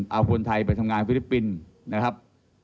เอาคนไทยไปทำงานฟิลิปปินส์นะครับ